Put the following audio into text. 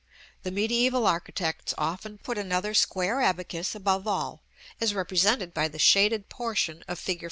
The mediæval architects often put another square abacus above all, as represented by the shaded portion of Fig.